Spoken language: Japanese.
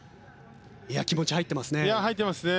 気持ちが入っていますね。